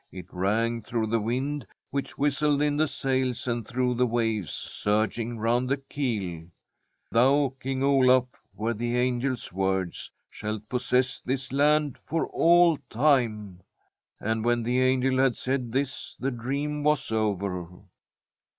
It rang through the wind, which whistled in the sails, and through the waves surg ing round the keel. From a SWEDISH HOMESTEAD i tt Thou, King Olaf," were the angel's words, shalt possess this land for all time." ' And when the angel had said this the dream was over.'